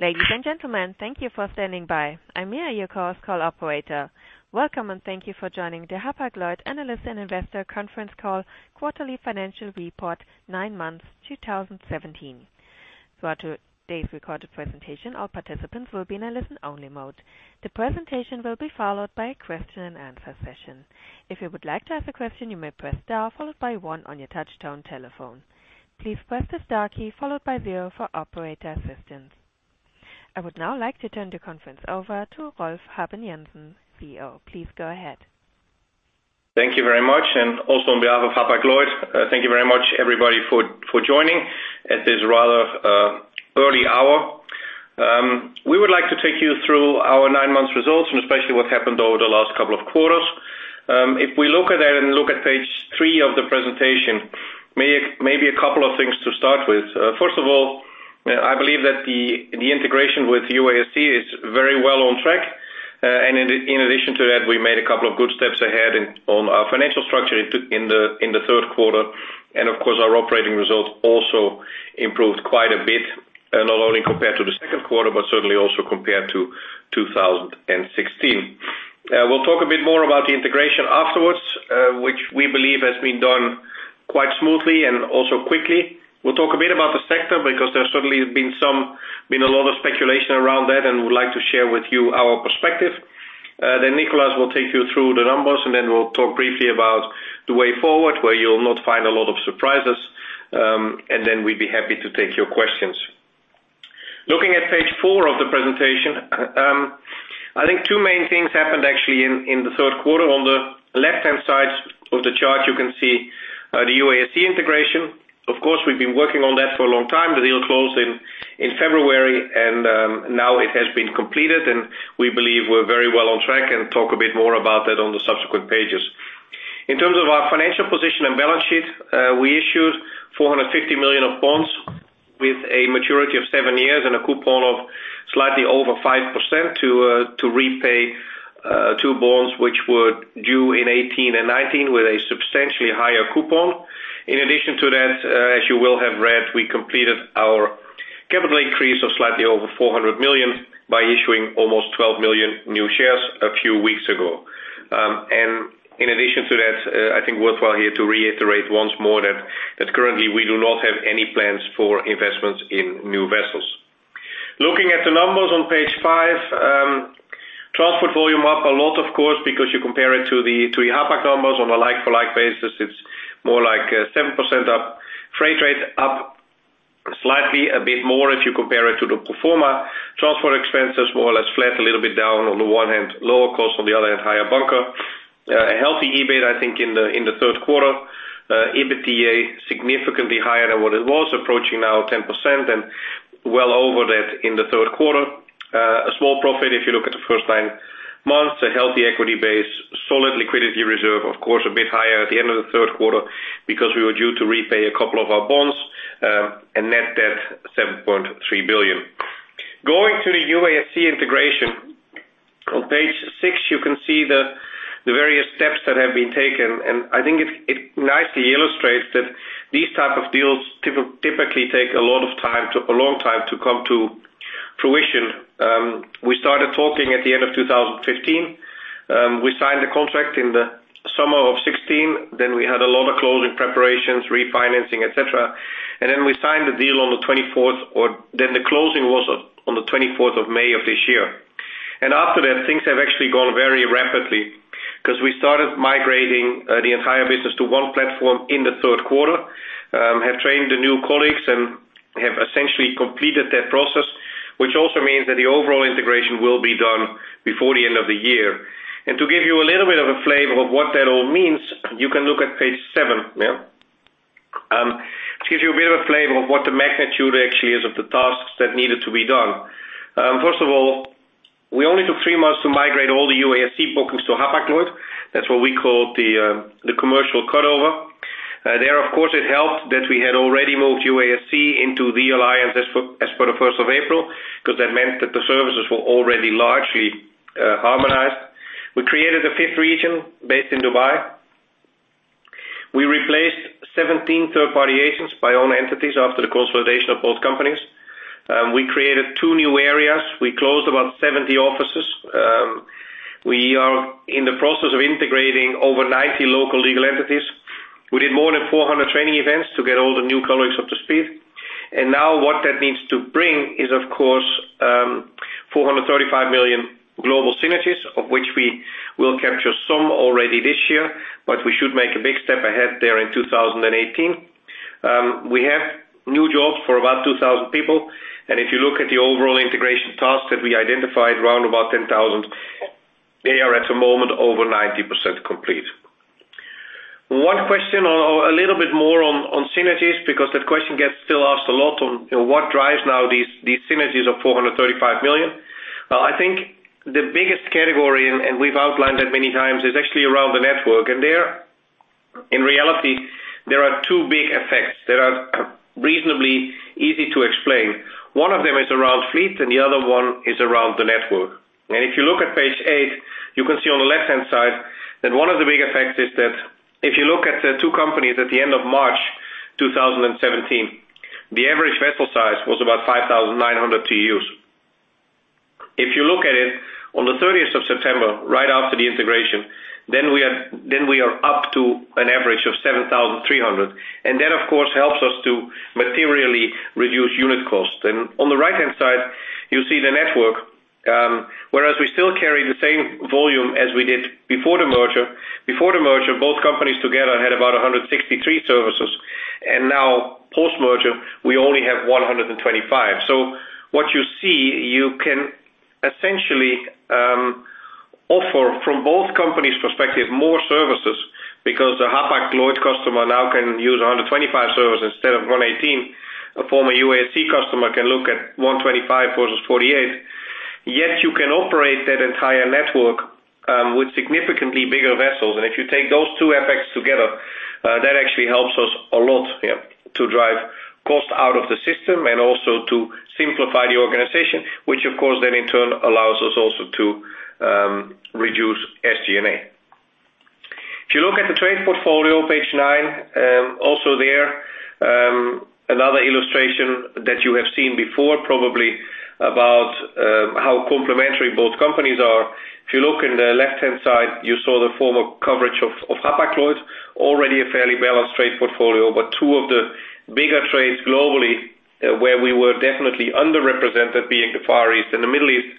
Ladies and gentlemen, thank you for standing by. I'm Mia, your Chorus Call operator. Welcome, and thank you for joining the Hapag-Lloyd Analyst and Investor Conference Call Quarterly Financial Report, nine months 2017. Throughout today's recorded presentation, all participants will be in a listen-only mode. The presentation will be followed by a question-and-answer session. If you would like to ask a question, you may press star followed by one on your touchtone telephone. Please press the star key followed by zero for operator assistance. I would now like to turn the conference over to Rolf Habben Jansen, CEO. Please go ahead. Thank you very much, and also on behalf of Hapag-Lloyd, thank you very much everybody for joining at this rather early hour. We would like to take you through our nine-month results and especially what's happened over the last couple of quarters. If we look at it and look at page three of the presentation, maybe a couple of things to start with. First of all, I believe that the integration with UASC is very well on track. In addition to that, we made a couple of good steps ahead on our financial structure that we took in the third quarter. Of course, our operating results also improved quite a bit, and not only compared to the second quarter, but certainly also compared to 2016. We'll talk a bit more about the integration afterwards, which we believe has been done quite smoothly and also quickly. We'll talk a bit about the sector because there certainly has been a lot of speculation around that, and we'd like to share with you our perspective. Then Nicolás will take you through the numbers, and then we'll talk briefly about the way forward, where you'll not find a lot of surprises, and then we'd be happy to take your questions. Looking at page four of the presentation, I think two main things happened actually in the third quarter. On the left-hand side of the chart, you can see the UASC integration. Of course, we've been working on that for a long time. The deal closed in February and now it has been completed, and we believe we're very well on track and talk a bit more about that on the subsequent pages. In terms of our financial position and balance sheet, we issued $450 million of bonds with a maturity of seven years and a coupon of slightly over 5% to repay two bonds which were due in 2018 and 2019 with a substantially higher coupon. In addition to that, as you will have read, we completed our capital increase of slightly over $400 million by issuing almost 12 million new shares a few weeks ago. In addition to that, I think worthwhile here to reiterate once more that currently we do not have any plans for investments in new vessels. Looking at the numbers on page five, transport volume up a lot, of course, because you compare it to the Hapag numbers. On a like-for-like basis, it's more like 7% up. Freight rate up slightly, a bit more if you compare it to the pro forma. Transport expenses more or less flat, a little bit down on the one hand, lower cost, on the other hand, higher bunker. A healthy EBIT, I think, in the third quarter. EBITDA significantly higher than what it was, approaching now 10% and well over that in the third quarter. A small profit if you look at the first nine months, a healthy equity base, solid liquidity reserve, of course, a bit higher at the end of the third quarter because we were due to repay a couple of our bonds, and net debt $7.3 billion. Going to the UASC integration, on page six, you can see the various steps that have been taken, and I think it nicely illustrates that these type of deals typically take a lot of time to come to fruition. We started talking at the end of 2015. We signed the contract in the summer of 2016, then we had a lot of closing preparations, refinancing, et cetera. We signed the deal on the 24th, or then the closing was on the 24th of May of this year. After that, things have actually gone very rapidly 'cause we started migrating the entire business to one platform in the third quarter, have trained the new colleagues and have essentially completed that process, which also means that the overall integration will be done before the end of the year. To give you a little bit of a flavor of what that all means, you can look at page seven, which gives you a bit of a flavor of what the magnitude actually is of the tasks that needed to be done. First of all, we only took three months to migrate all the UASC bookings to Hapag-Lloyd. That's what we call the commercial cutover. Of course, it helped that we had already moved UASC into THE Alliance as of April 1, 'cause that meant that the services were already largely harmonized. We created a fifth region based in Dubai. We replaced 17 third-party agents by our own entities after the consolidation of both companies. We created two new areas. We closed about 70 offices. We are in the process of integrating over 90 local legal entities. We did more than 400 training events to get all the new colleagues up to speed. Now what that needs to bring is, of course, $435 million global synergies of which we will capture some already this year, but we should make a big step ahead there in 2018. We have new jobs for about 2,000 people. If you look at the overall integration tasks that we identified, around about 10,000 tasks, they are at the moment over 90% complete. One question or a little bit more on synergies, because that question still gets asked a lot on, you know, what drives now these synergies of $435 million. I think the biggest category, and we've outlined that many times, is actually around the network. There, in reality, there are two big effects that are reasonably easy to explain. One of them is around fleet, and the other one is around the network. If you look at page eight, you can see on the left-hand side that one of the big effects is that if you look at the two companies at the end of March 2017, the average vessel size was about 5,900 TEUs. If you look at it on the 30th of September, right after the integration, then we are up to an average of 7,300, and that, of course, helps us to materially reduce unit costs. Then on the right-hand side, you see the network, whereas we still carry the same volume as we did before the merger. Before the merger, both companies together had about 163 services, and now post-merger, we only have 125 services. What you see, you can essentially offer from both companies' perspective, more services because the Hapag-Lloyd customer now can use 125 services instead of 118 services. A former UASC customer can look at 125 services versus 48 services. Yet you can operate that entire network with significantly bigger vessels. If you take those two effects together, that actually helps us a lot, yeah, to drive cost out of the system and also to simplify the organization, which of course then in turn allows us also to reduce SG&A. If you look at the trade portfolio, page nine, also there, another illustration that you have seen before, probably about how complementary both companies are. If you look in the left-hand side, you saw the former coverage of Hapag-Lloyd, already a fairly balanced trade portfolio, but two of the bigger trades globally, where we were definitely underrepresented, being the Far East and the Middle East,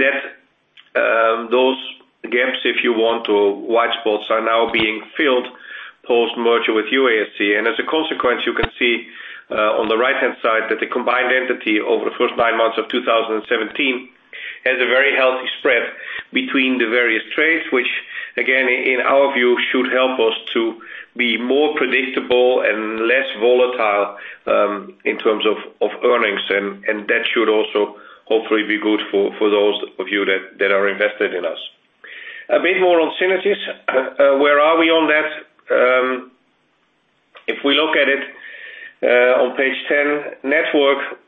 that those gaps, if you want, or white spots, are now being filled post-merger with UASC. As a consequence, you can see on the right-hand side that the combined entity over the first nine months of 2017 has a very healthy spread between the various trades, which again, in our view, should help us to be more predictable and less volatile in terms of earnings. That should also hopefully be good for those of you that are invested in us. A bit more on synergies. Where are we on that? If we look at it on page 10, network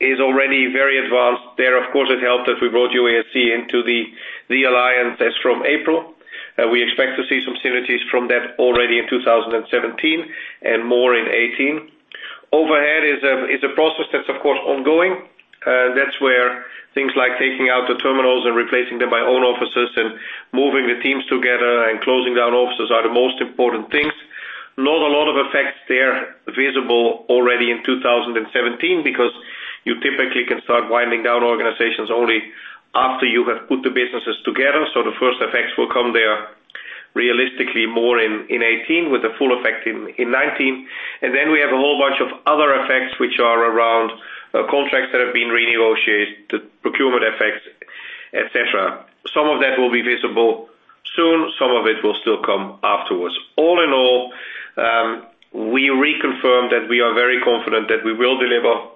is already very advanced. There, of course, it helped that we brought UASC into the alliance as from April. We expect to see some synergies from that already in 2017 and more in 2018. Overhead is a process that's of course ongoing. That's where things like taking out the terminals and replacing them by own offices and moving the teams together and closing down offices are the most important things. Not a lot of effects there visible already in 2017 because you typically can start winding down organizations only after you have put the businesses together. The first effects will come there realistically more in 2018, with the full effect in 2019. We have a whole bunch of other effects which are around contracts that have been renegotiated, the procurement effects, et cetera. Some of that will be visible soon. Some of it will still come afterwards. All in all, we reconfirm that we are very confident that we will deliver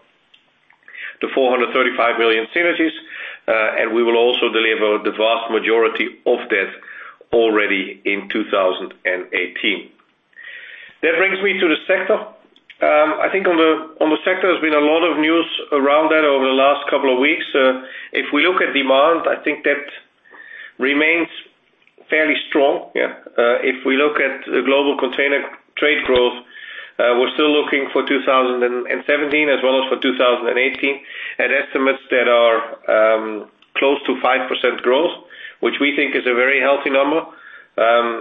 the $435 million synergies, and we will also deliver the vast majority of that already in 2018. That brings me to the sector. I think on the sector, there's been a lot of news around that over the last couple of weeks. If we look at demand, I think that remains fairly strong. Yeah. If we look at the global container trade growth, we're still looking for 2017 as well as for 2018, at estimates that are close to 5% growth, which we think is a very healthy number.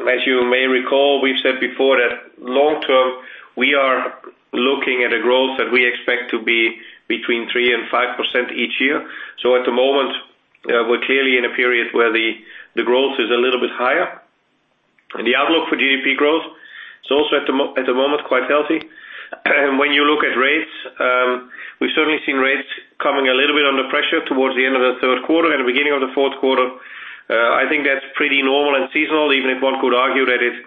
As you may recall, we've said before that long term, we are looking at a growth that we expect to be between 3%-5% each year. At the moment, we're clearly in a period where the growth is a little bit higher. The outlook for GDP growth is also at the moment, quite healthy. When you look at rates, we've certainly seen rates coming a little bit under pressure towards the end of the third quarter and the beginning of the fourth quarter. I think that's pretty normal and seasonal, even if one could argue that it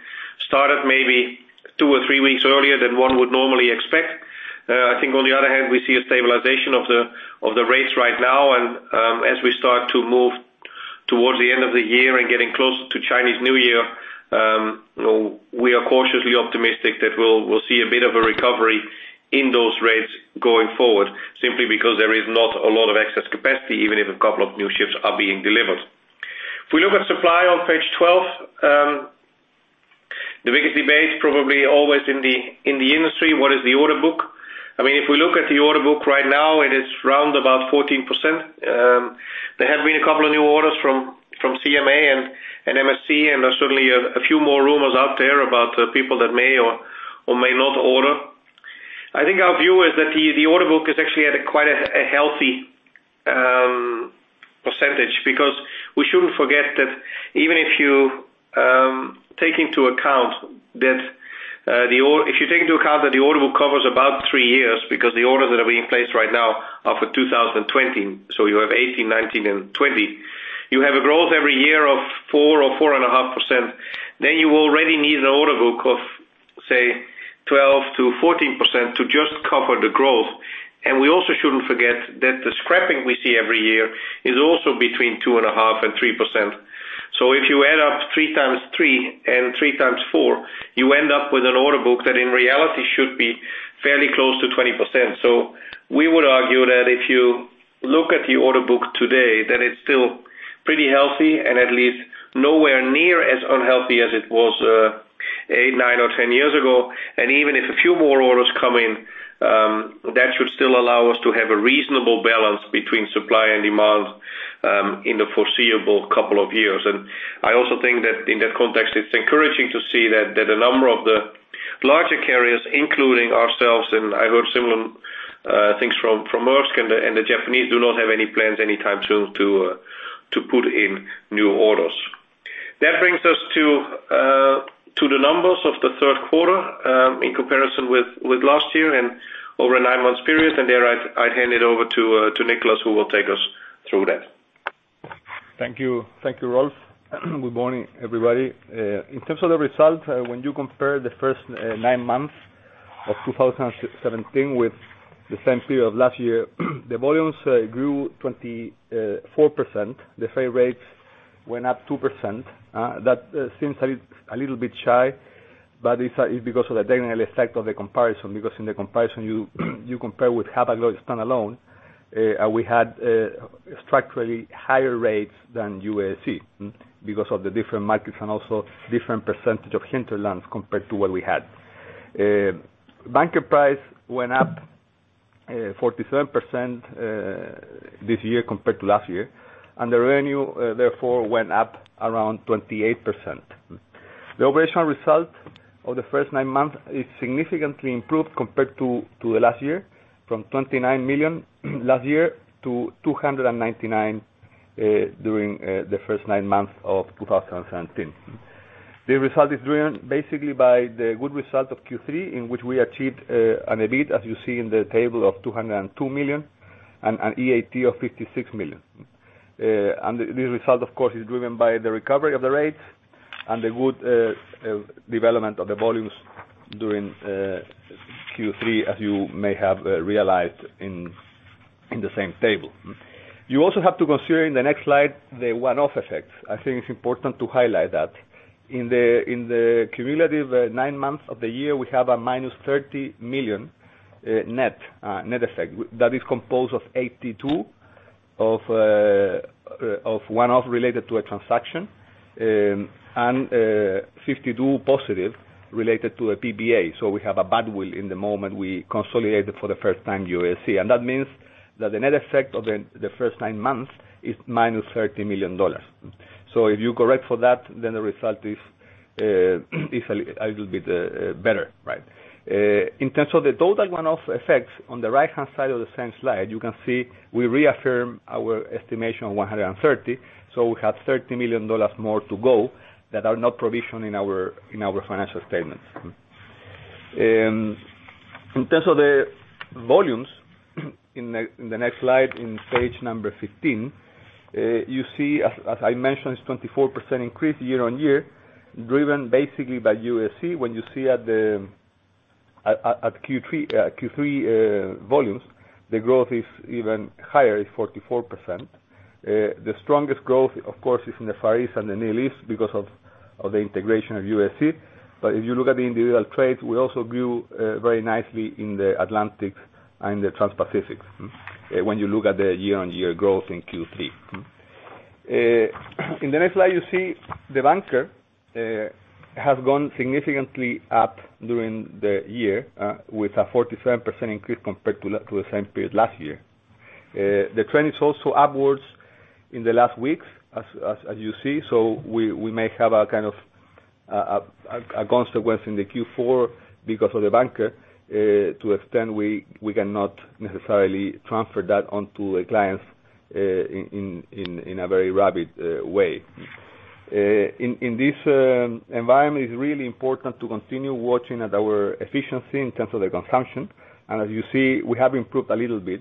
started maybe two or three weeks earlier than one would normally expect. I think on the other hand, we see a stabilization of the rates right now and, as we start to move towards the end of the year and getting close to Chinese New Year, we are cautiously optimistic that we'll see a bit of a recovery in those rates going forward, simply because there is not a lot of excess capacity, even if a couple of new ships are being delivered. If we look at supply on page 12, the biggest debate probably always in the industry, what is the order book? I mean, if we look at the order book right now, it is round about 14%. There have been a couple of new orders from CMA and MSC, and there's certainly a few more rumors out there about people that may or may not order. I think our view is that the order book is actually at a quite healthy percentage because we shouldn't forget that if you take into account that the order book covers about three years, because the orders that are being placed right now are for 2020, so you have 2018, 2019 and 2020. You have a growth every year of 4% or 4.5%, then you already need an order book of, say, 12%-14% to just cover the growth. We also shouldn't forget that the scrapping we see every year is also between 2.5% and 3%. If you add up 3x3 and 3x4, you end up with an order book that, in reality, should be fairly close to 20%. We would argue that if you look at the order book today, that it's still pretty healthy and at least nowhere near as unhealthy as it was, 8 years, 9 years or 10 years ago. Even if a few more orders come in, that should still allow us to have a reasonable balance between supply and demand, in the foreseeable couple of years. I also think that in that context, it's encouraging to see that a number of the larger carriers, including ourselves, and I heard similar things from Maersk and the Japanese do not have any plans anytime soon to put in new orders. That brings us to the numbers of the third quarter in comparison with last year and over a nine-month period. I hand it over to Nicolás, who will take us through that. Thank you. Thank you, Rolf. Good morning, everybody. In terms of the results, when you compare the first nine months of 2017 with the same period of last year, the volumes grew 24%. The freight rates went up 2%. That seems a little bit shy, but it's because of the annual effect of the comparison, because in the comparison you compare with Hapag-Lloyd standalone, we had structurally higher rates than UASC, because of the different markets and also different percentage of hinterlands compared to what we had. Bunker price went up 47% this year compared to last year, and the revenue therefore went up around 28%. The operational result of the first nine months is significantly improved compared to the last year, from $29 million last year to $299 million during the first nine months of 2017. The result is driven basically by the good result of Q3, in which we achieved an EBIT, as you see in the table, of $202 million and an EAT of $56 million. This result, of course, is driven by the recovery of the rates and the good development of the volumes during Q3, as you may have realized in the same table. You also have to consider in the next slide the one-off effects. I think it's important to highlight that. In the cumulative nine months of the year, we have a -$30 million net effect. That is composed of -$82 million of one-off related to a transaction, and $52 million positive related to a PPA. We have a badwill in the moment we consolidated for the first time UASC, and that means that the net effect of the first nine months is -$30 million. If you correct for that, then the result is a little bit better, right? In terms of the total one-off effects, on the right-hand side of the same slide, you can see we reaffirm our estimation of $130 million. We have $30 million more to go that are not provisioned in our financial statements. In terms of the volumes, in the next slide, on page 15, you see, as I mentioned, it's a 24% increase year-on-year, driven basically by UASC. When you see the Q3 volumes, the growth is even higher, it's 44%. The strongest growth, of course, is in the Far East and the Near East because of the integration of UASC. If you look at the individual trades, we also grew very nicely in the Atlantic and the Transpacific when you look at the year-on-year growth in Q3. In the next slide, you see the bunker has gone significantly up during the year with a 47% increase compared to the same period last year. The trend is also upwards in the last weeks as you see. We may have a kind of a consequence in the Q4 because of the bunker to the extent we cannot necessarily transfer that onto the clients in a very rapid way. In this environment, it's really important to continue watching at our efficiency in terms of the consumption. As you see, we have improved a little bit.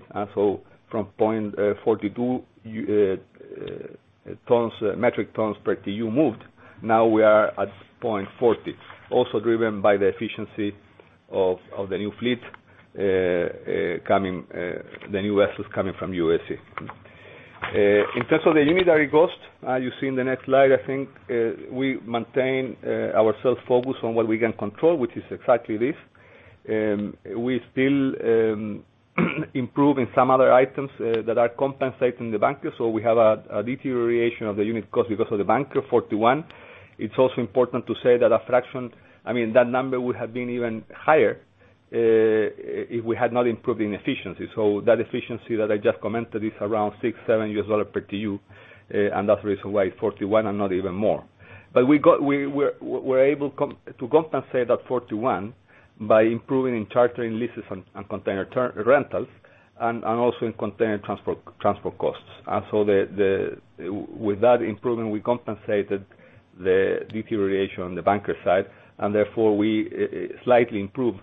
From 0.42 metric tons per TEU moved, now we are at 0.40 metric tons per TEU, also driven by the efficiency of the new fleet, the new vessels coming from UASC. In terms of the unit cost, you see in the next slide, I think, we maintain ourselves focused on what we can control, which is exactly this. We still improve in some other items that are compensating the bunker. We have a deterioration of the unit cost because of the bunker, $41. It's also important to say that, I mean, that number would have been even higher if we had not improved in efficiency. That efficiency that I just commented is around $6-$7 per TEU, and that's the reason why it's $41 and not even more. We're able to compensate that $41 by improving in chartering leases and container rentals and also in container transport costs. With that improvement, we compensated the deterioration on the bunker side, and therefore we slightly improved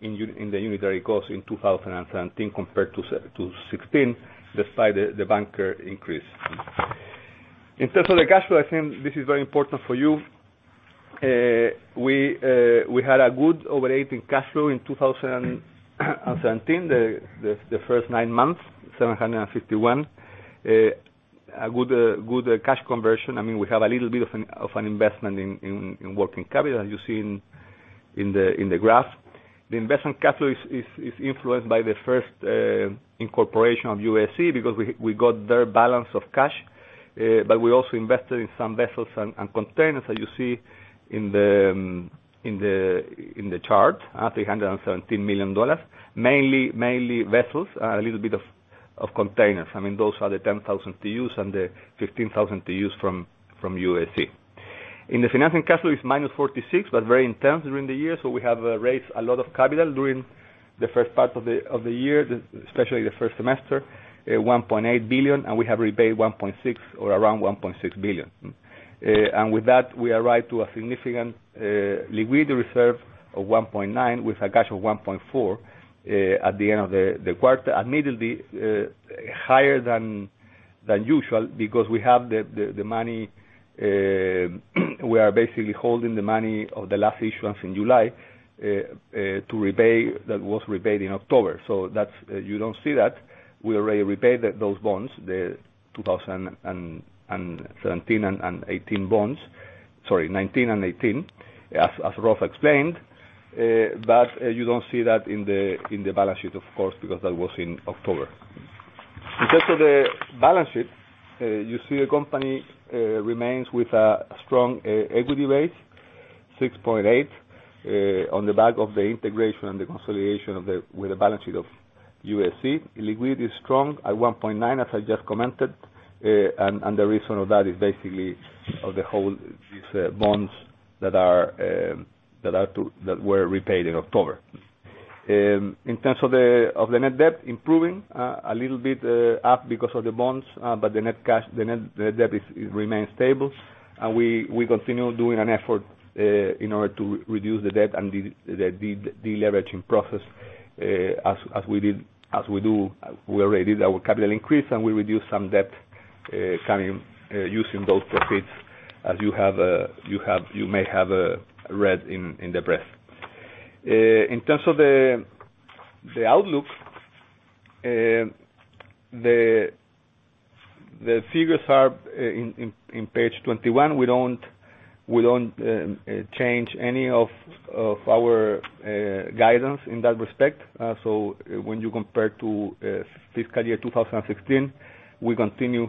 in the unit cost in 2017 compared to 2016, despite the bunker increase. In terms of the cash flow, I think this is very important for you. We had a good operating cash flow in 2017, the first nine months, $751 million. A good cash conversion. I mean, we have a little bit of an investment in working capital, as you see in the graph. The investment capital is influenced by the first incorporation of UASC because we got their balance of cash, but we also invested in some vessels and containers that you see in the chart, at $317 million, mainly vessels, a little bit of containers. I mean, those are the 10,000 TEUs and the 15,000 TEUs from UASC. In the financing capital, it's -$46, but very intense during the year. We have raised a lot of capital during the first part of the year, especially the first semester, $1.8 billion, and we have repaid around $1.6 billion. With that, we arrived at a significant liquidity reserve of $1.9 billion, with a cash of $1.4 billion at the end of the quarter. Admittedly higher than usual because we have the money we are basically holding the money of the last issuance in July to repay that was repaid in October. You don't see that. We already repaid those bonds, the 2017 and 2018 bonds. Sorry, 2019 and 2018, as Rolf explained, but you don't see that in the balance sheet, of course, because that was in October. In terms of the balance sheet, you see the company remains with a strong equity rate, 6.8%, on the back of the integration and the consolidation with the balance sheet of UASC. Liquidity is strong at $1.9 billion, as I just commented. The reason of that is basically these bonds that were repaid in October. In terms of the net debt improving a little bit up because of the bonds, but the net debt remains stable. We continue doing an effort in order to reduce the debt and deleveraging process, as we do. We already did our capital increase, and we reduced some debt using those proceeds, as you may have read in the press. In terms of the outlook, the figures are in page 21. We don't change any of our guidance in that respect. When you compare to fiscal year 2016, we continue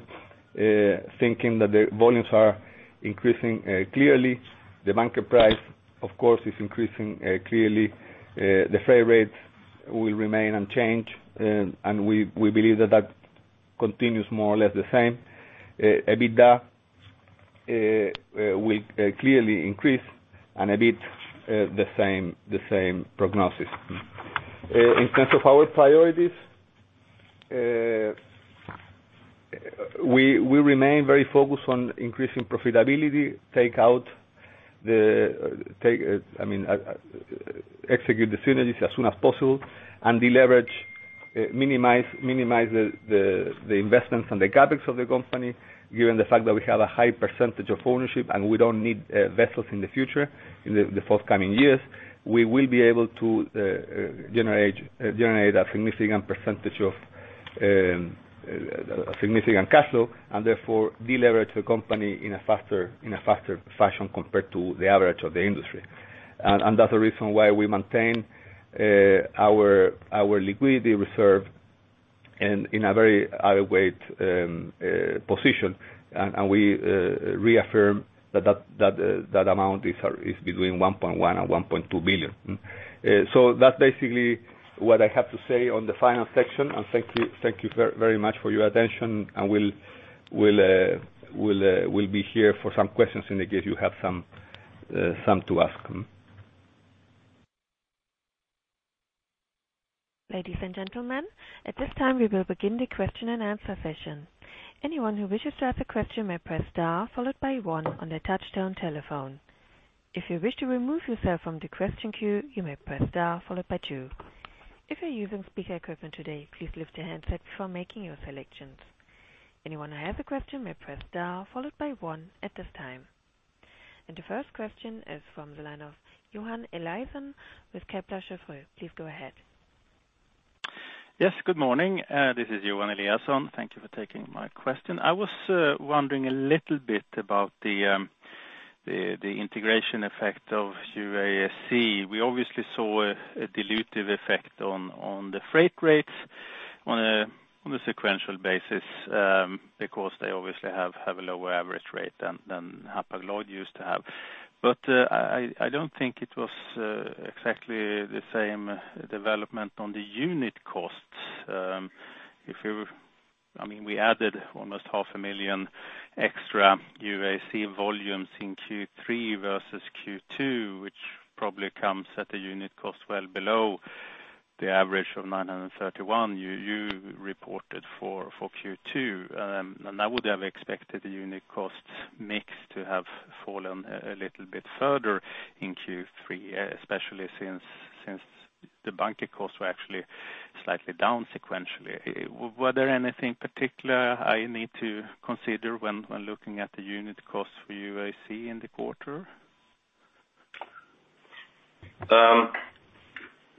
thinking that the volumes are increasing clearly. The bunker price, of course, is increasing clearly. The freight rates will remain unchanged, and we believe that that continues more or less the same. EBITDA will clearly increase and EBIT the same prognosis. In terms of our priorities, we remain very focused on increasing profitability, execute the synergies as soon as possible and deleverage, minimize the investments and the CapEx of the company, given the fact that we have a high percentage of ownership and we don't need vessels in the future, in the forthcoming years. We will be able to generate a significant percentage of significant cash flow, and therefore deleverage the company in a faster fashion compared to the average of the industry. That's the reason why we maintain our liquidity reserve in a very high weight position. We reaffirm that amount is between $1.1 billion-$1.2 billion. That's basically what I have to say on the finance section. Thank you very much for your attention. We'll be here for some questions in the case you have some to ask. Ladies and gentlemen, at this time, we will begin the question-and-answer session. Anyone who wishes to ask a question may press star followed by one on their touchtone telephone. If you wish to remove yourself from the question queue, you may press star followed by two. If you're using speaker equipment today, please lift your handset before making your selections. Anyone who has a question may press star followed by one at this time. The first question is from the line of Johan Eliason with Kepler Cheuvreux. Please go ahead. Good morning. This is Johan Eliason. Thank you for taking my question. I was wondering a little bit about the integration effect of UASC. We obviously saw a dilutive effect on the freight rates on a sequential basis, because they obviously have a lower average rate than Hapag-Lloyd used to have. I don't think it was exactly the same development on the unit costs. I mean, we added almost half a million extra UASC volumes in Q3 versus Q2, which probably comes at a unit cost well below the average of 931 you reported for Q2. I would have expected the unit cost mix to have fallen a little bit further in Q3, especially since the bunker costs were actually slightly down sequentially. Were there anything particular I need to consider when looking at the unit costs for UASC in the quarter?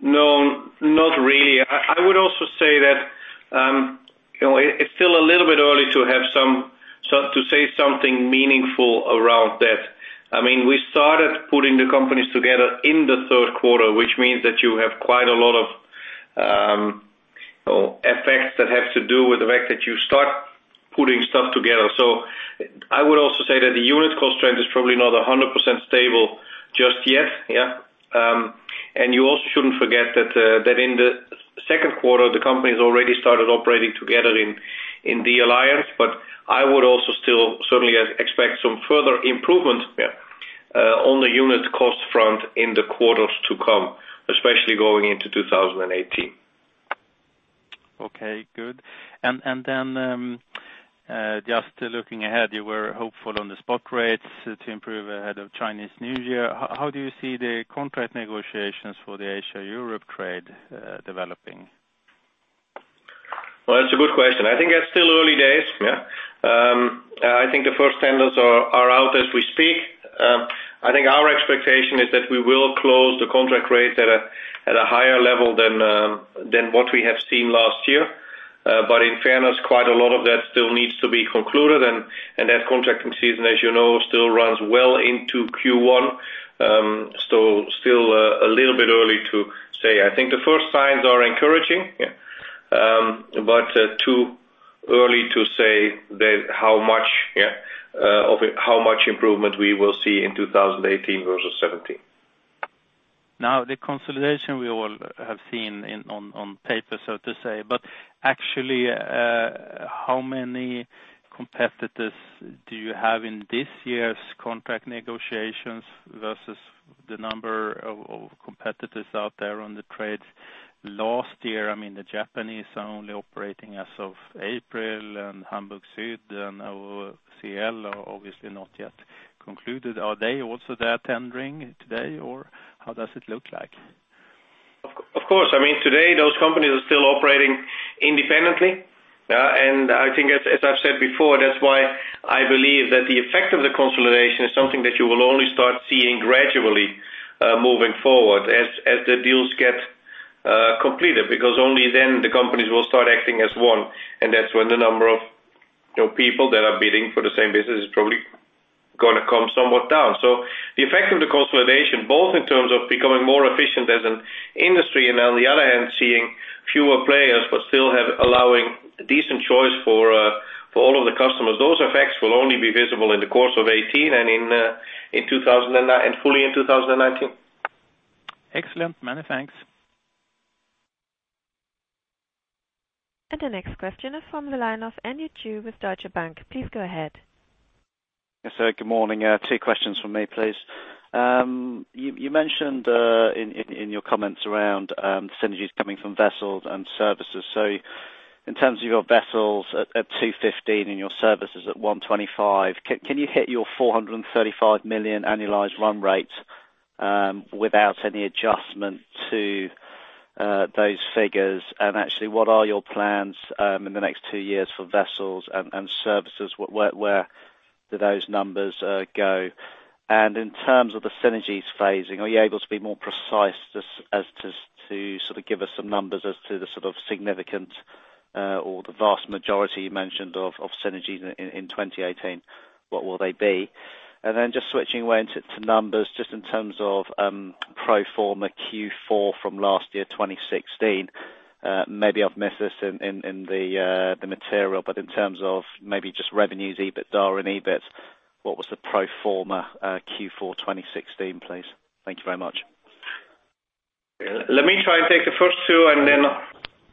No, not really. I would also say that, you know, it's still a little bit early to say something meaningful around that. I mean, we started putting the companies together in the third quarter, which means that you have quite a lot of effects that have to do with the fact that you start putting stuff together. I would also say that the unit cost trend is probably not 100% stable just yet, yeah. You also shouldn't forget that in the second quarter, the company has already started operating together in the alliance. I would also still certainly expect some further improvement, yeah, on the unit cost front in the quarters to come, especially going into 2018. Okay, good. Just looking ahead, you were hopeful on the spot rates to improve ahead of Chinese New Year. How do you see the contract negotiations for the Asia-Europe trade developing? Well, that's a good question. I think it's still early days. I think the first tenders are out as we speak. I think our expectation is that we will close the contract rates at a higher level than what we have seen last year. In fairness, quite a lot of that still needs to be concluded. That contracting season, as you know, still runs well into Q1. Still a little bit early to say. I think the first signs are encouraging. Too early to say how much improvement we will see in 2018 versus 2017. Now, the consolidation we all have seen on paper, so to say, but actually, how many competitors do you have in this year's contract negotiations versus the number of competitors out there on the trades last year? I mean, the Japanese are only operating as of April, and Hamburg Süd and OOCL are obviously not yet concluded. Are they also there tendering today, or how does it look like? Of course. I mean, today, those companies are still operating independently, yeah. I think, as I've said before, that's why I believe that the effect of the consolidation is something that you will only start seeing gradually moving forward as the deals get completed. Because only then the companies will start acting as one, and that's when the number of, you know, people that are bidding for the same business is probably gonna come somewhat down. The effect of the consolidation, both in terms of becoming more efficient as an industry and on the other hand seeing fewer players, but still allowing decent choice for all of the customers, those effects will only be visible in the course of 2018 and fully in 2019. Excellent. Many thanks. The next question is from the line of Andy Chu with Deutsche Bank. Please go ahead. Yes, sir. Good morning. Two questions from me, please. You mentioned in your comments around synergies coming from vessels and services. In terms of your vessels at $215 million and your services at $125 million, can you hit your $435 million annualized run rates without any adjustment to those figures? Actually, what are your plans in the next two years for vessels and services? Where do those numbers go? In terms of the synergies phasing, are you able to be more precise as to sort of give us some numbers as to the sort of significant or the vast majority you mentioned of synergies in 2018, what will they be? Just switching to numbers, just in terms of pro forma Q4 from last year, 2016. Maybe I've missed this in the material, but in terms of maybe just revenues, EBITDA and EBIT, what was the pro forma Q4 2016, please? Thank you very much. Let me try and take the first two, and then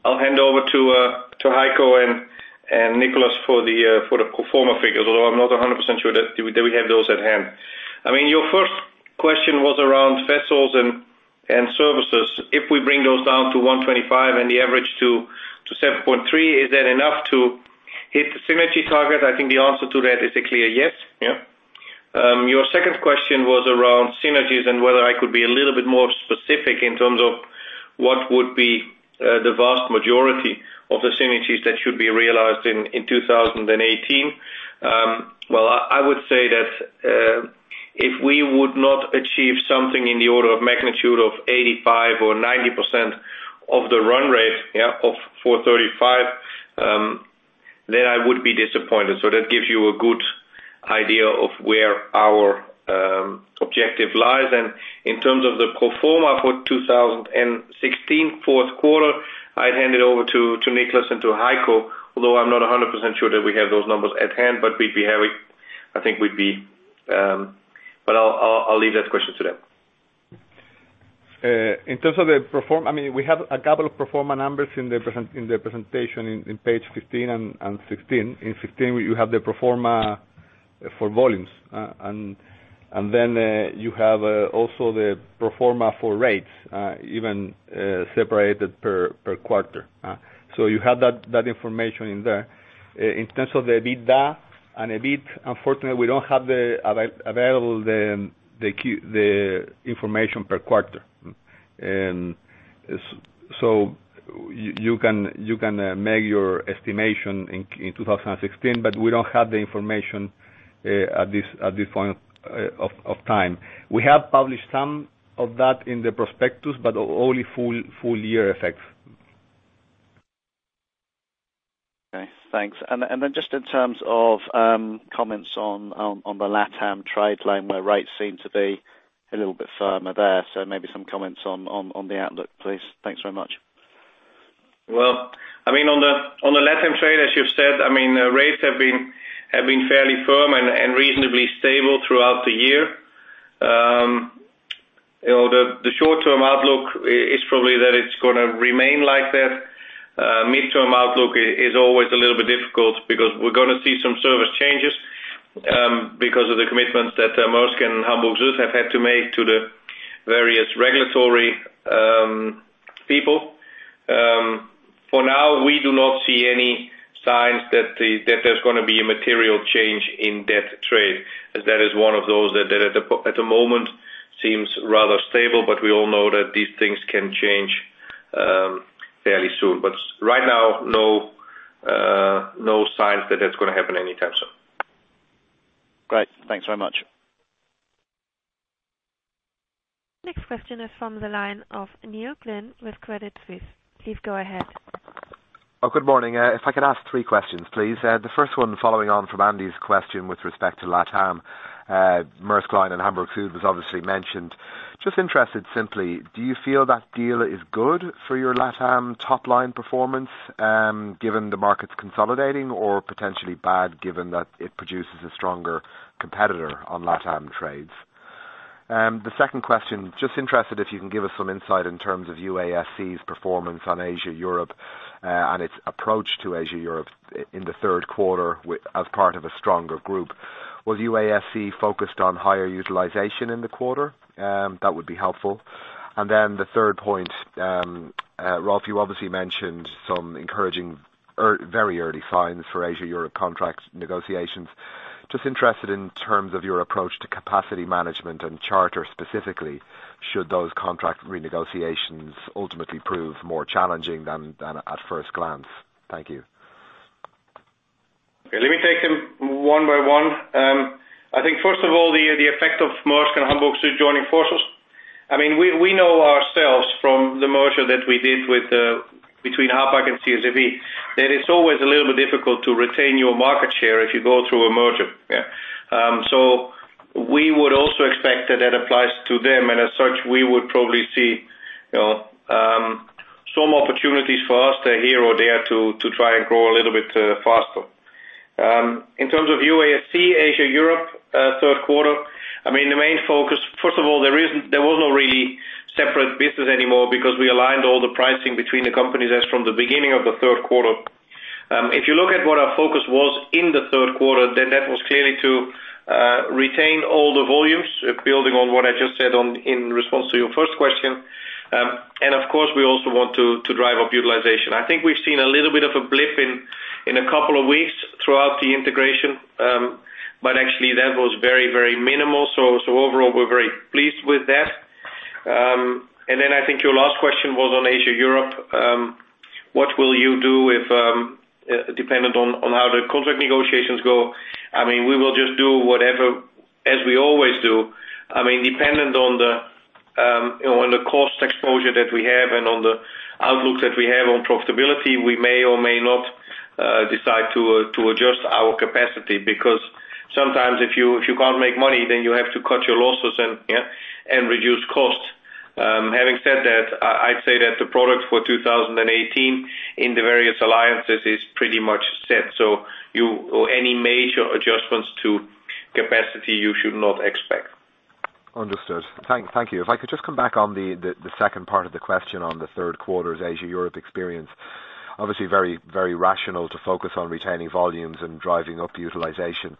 I'll hand over to Heiko and Nicolás for the pro forma figures, although I'm not 100% sure that we have those at hand. I mean, your first question was around vessels and services. If we bring those down to $125 million and the average to 7.3%, is that enough to hit the synergy target? I think the answer to that is a clear yes. Yeah. Your second question was around synergies and whether I could be a little bit more specific in terms of what would be the vast majority of the synergies that should be realized in 2018. Well, I would say that if we would not achieve something in the order of magnitude of 85% or 90% of the run rate of $435, then I would be disappointed. That gives you a good idea of where our objective lies. In terms of the pro forma for 2016 fourth quarter, I hand it over to Nicolás and to Heiko, although I'm not 100% sure that we have those numbers at hand, but we'd be happy. I'll leave that question to them. In terms of the pro forma, I mean, we have a couple of pro forma numbers in the presentation on page 15 and page 16. On page 16, you have the pro forma for volumes. And then you have also the pro forma for rates, even separated per quarter. So you have that information in there. In terms of the EBITDA and EBIT, unfortunately, we don't have available the quarterly information per quarter. So You can make your estimation in 2016, but we don't have the information at this point of time. We have published some of that in the prospectus, but only full year effects. Okay, thanks. Then just in terms of comments on theLATAM trade lane, where rates seem to be a little bit firmer there. Maybe some comments on the outlook, please. Thanks very much. Well, I mean, on the LATAM trade, as you've said, I mean, rates have been fairly firm and reasonably stable throughout the year. You know, the short-term outlook is probably that it's gonna remain like that. Midterm outlook is always a little bit difficult because we're gonna see some service changes, because of the commitments that Maersk and Hamburg Süd have had to make to the various regulatory people. For now, we do not see any signs that there's gonna be a material change in that trade, as that is one of those that at the moment seems rather stable, but we all know that these things can change fairly soon. Right now, no signs that that's gonna happen anytime soon. Great. Thanks very much. Next question is from the line of Neil Glynn with Credit Suisse. Please go ahead. Oh, good morning. If I could ask three questions, please. The first one, following on from Andy's question with respect to LATAM. Maersk Line and Hamburg Süd was obviously mentioned. Just interested simply, do you feel that deal is good for your LATAM top line performance, given the markets consolidating, or potentially bad given that it produces a stronger competitor on LATAM trades? The second question, just interested if you can give us some insight in terms of UASC's performance on Asia-Europe, and its approach to Asia-Europe in the third quarter with as part of a stronger group. Was UASC focused on higher utilization in the quarter? That would be helpful. The third point, Rolf, you obviously mentioned some encouraging very early signs for Asia-Europe contract negotiations. Just interested in terms of your approach to capacity management and charter specifically, should those contract renegotiations ultimately prove more challenging than at first glance? Thank you. Okay, let me take them one by one. I think first of all, the effect of Maersk and Hamburg Süd joining forces. I mean, we know ourselves from the merger that we did with between Hapag and CSAV, that it's always a little bit difficult to retain your market share if you go through a merger, yeah. We would also expect that applies to them, and as such, we would probably see, you know, some opportunities for us here or there to try and grow a little bit faster. In terms of UASC, Asia-Europe, third quarter, I mean, the main focus. First of all, there was no really separate business anymore because we aligned all the pricing between the companies as from the beginning of the third quarter. If you look at what our focus was in the third quarter, then that was clearly to retain all the volumes, building on what I just said in response to your first question. And of course, we also want to drive up utilization. I think we've seen a little bit of a blip in a couple of weeks throughout the integration, but actually that was very, very minimal. So overall, we're very pleased with that. And then I think your last question was on Asia-Europe. What will you do if dependent on how the contract negotiations go? I mean, we will just do whatever, as we always do. I mean, dependent on the cost exposure that we have and on the outlook that we have on profitability, we may or may not decide to adjust our capacity. Because sometimes if you can't make money, then you have to cut your losses and, yeah, and reduce costs. Having said that, I'd say that the product for 2018 in the various alliances is pretty much set. You should not expect any major adjustments to capacity. Understood. Thank you. If I could just come back on the second part of the question on the third quarter's Asia-Europe experience. Obviously very, very rational to focus on retaining volumes and driving up the utilization.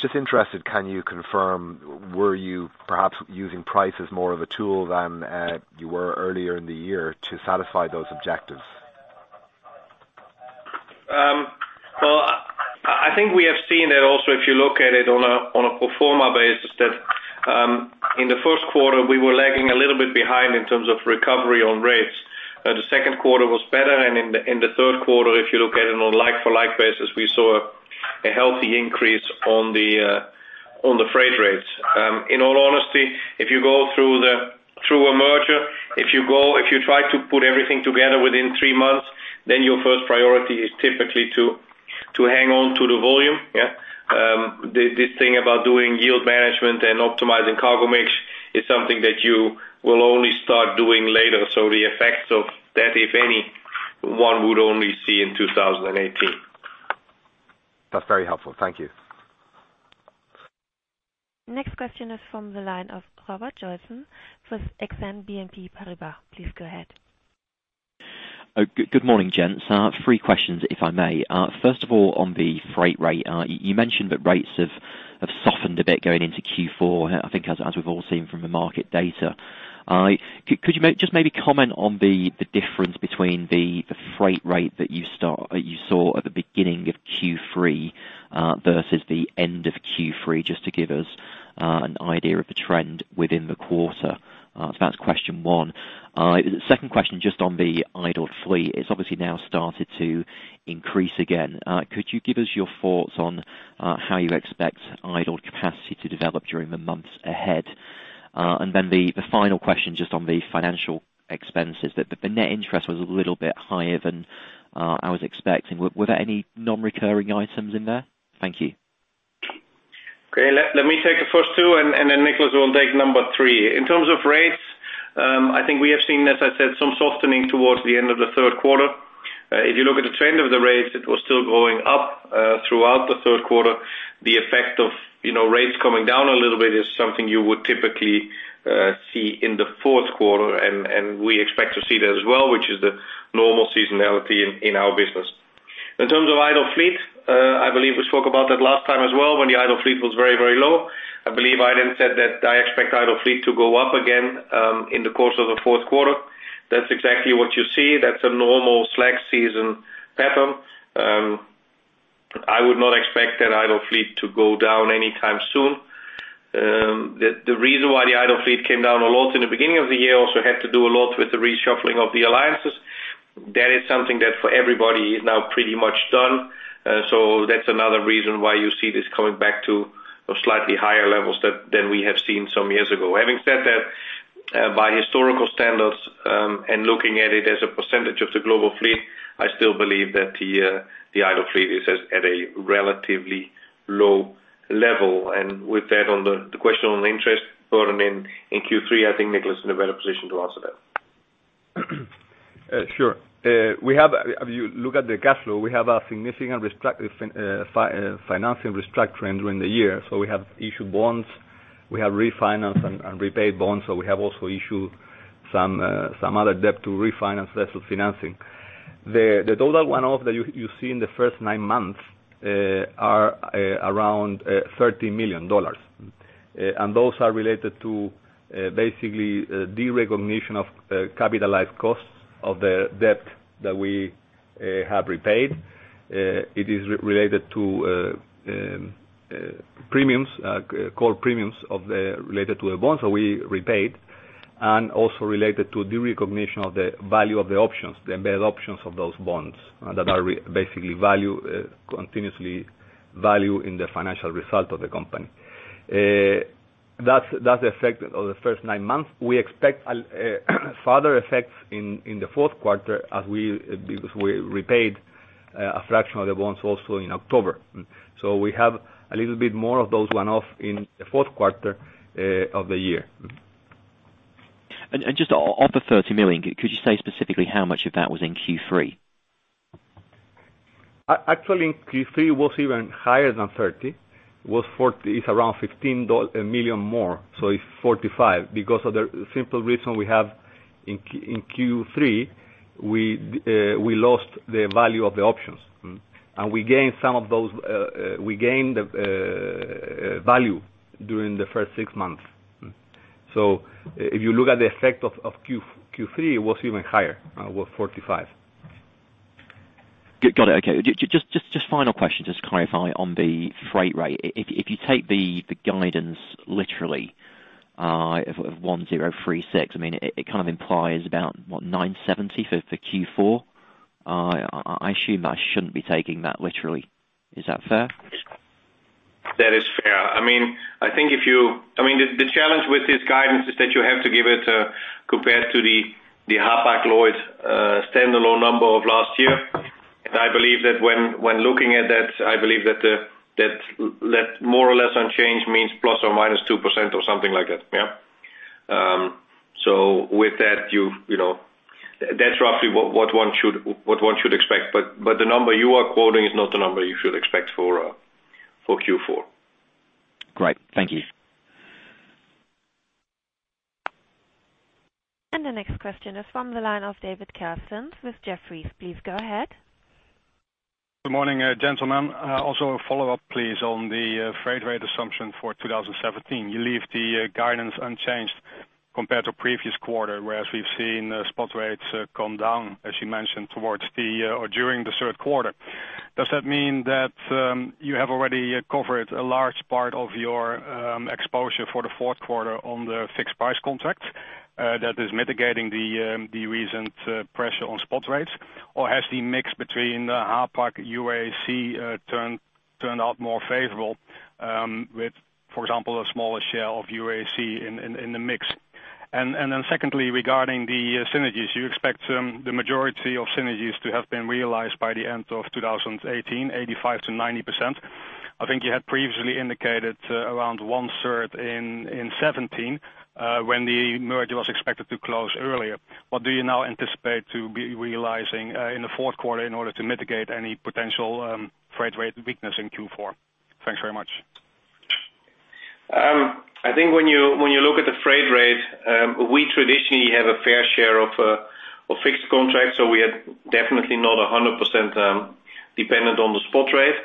Just interested, can you confirm, were you perhaps using price as more of a tool than you were earlier in the year to satisfy those objectives? Well, I think we have seen that also, if you look at it on a pro forma basis, that in the first quarter, we were lagging a little bit behind in terms of recovery on rates. The second quarter was better, and in the third quarter, if you look at it on a like-for-like basis, we saw a healthy increase on the freight rates. In all honesty, if you go through a merger, if you try to put everything together within three months, then your first priority is typically to hang on to the volume, yeah. This thing about doing yield management and optimizing cargo mix is something that you will only start doing later. The effects of that, if any, one would only see in 2018. That's very helpful. Thank you. Next question is from the line of Robert Joynson with Exane BNP Paribas. Please go ahead. Oh, good morning, gents. Three questions if I may. First of all, on the freight rate, you mentioned that rates have softened a bit going into Q4, I think as we've all seen from the market data. Could you just maybe comment on the difference between the freight rate that you saw at the beginning of Q3 versus the end of Q3, just to give us an idea of the trend within the quarter. So that's question one. Second question, just on the idle fleet. It's obviously now started to increase again. Could you give us your thoughts on how you expect idle capacity to develop during the months ahead? The final question, just on the financial expenses, the net interest was a little bit higher than I was expecting. Were there any non-recurring items in there? Thank you. Okay. Let me take the first two, and then Nicolás will take number three. In terms of rates, I think we have seen, as I said, some softening towards the end of the third quarter. If you look at the trend of the rates, it was still going up throughout the third quarter. The effect of, you know, rates coming down a little bit is something you would typically see in the fourth quarter and we expect to see that as well, which is the normal seasonality in our business. In terms of idle fleet, I believe we spoke about that last time as well, when the idle fleet was very low. I believe I then said that I expect idle fleet to go up again in the course of the fourth quarter. That's exactly what you see. That's a normal slack season pattern. I would not expect that idle fleet to go down anytime soon. The reason why the idle fleet came down a lot in the beginning of the year also had to do a lot with the reshuffling of the alliances. That is something that for everybody is now pretty much done. That's another reason why you see this coming back to those slightly higher levels than we have seen some years ago. Having said that, by historical standards, and looking at it as a percentage of the global fleet, I still believe that the idle fleet is at a relatively low level. With that, on the question on interest earnings in Q3, I think Nicolás is in a better position to answer that. Sure. We have, if you look at the cash flow, we have a significant financing restructuring during the year. We have issued bonds, we have refinanced and repaid bonds, we have also issued some other debt to refinance that financing. The total one-off that you see in the first nine months are around $30 million. Those are related to basically derecognition of capitalized costs of the debt that we have repaid. It is related to premiums, call premiums related to the bonds that we repaid, and also related to derecognition of the value of the options, the embedded options of those bonds that are basically valued continuously in the financial result of the company. That's the effect of the first nine months. We expect further effects in the fourth quarter as we, because we repaid a fraction of the bonds also in October. We have a little bit more of those one-off in the fourth quarter of the year. Just off the $30 million, could you say specifically how much of that was in Q3? Actually, in Q3, it was even higher than $30 million. It was $40 million. It's around $15 million more, so it's $45 million because of the simple reason we have in Q3, we lost the value of the options. We gained some of those values during the first six months. If you look at the effect of Q3, it was even higher. It was $45 million. Got it. Okay. Just final question, just to clarify on the freight rate. If you take the guidance literally of 1036, I mean, it kind of implies about what, 970 for Q4? I assume I shouldn't be taking that literally. Is that fair? That is fair. I mean, I think the challenge with this guidance is that you have to give it compared to the Hapag-Lloyd standalone number of last year. I believe that when looking at that, left more or less unchanged means ±2% or something like that. Yeah. With that, you know, that's roughly what one should expect, but the number you are quoting is not the number you should expect for Q4. Great. Thank you. The next question is from the line of David Kerstens with Jefferies. Please go ahead. Good morning, gentlemen. Also a follow-up, please, on the freight rate assumption for 2017. You leave the guidance unchanged compared to previous quarter, whereas we've seen spot rates come down, as you mentioned, towards the end or during the third quarter. Does that mean that you have already covered a large part of your exposure for the fourth quarter on the fixed price contracts that is mitigating the recent pressure on spot rates? Or has the mix between the Hapag-Lloyd UASC turned out more favorable with, for example, a smaller share of UASC in the mix? Secondly, regarding the synergies, you expect the majority of synergies to have been realized by the end of 2018, 85%-90%. I think you had previously indicated around 1/3 in 2017 when the merger was expected to close earlier. What do you now anticipate to be realizing in the fourth quarter in order to mitigate any potential freight rate weakness in Q4? Thanks very much. I think when you look at the freight rate, we traditionally have a fair share of fixed contracts, so we are definitely not 100% dependent on the spot rate.